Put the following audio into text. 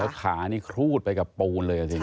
ขานี่ครูดไปกับปูนเลยอ่ะสิ